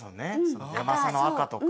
ヤマサの赤とか。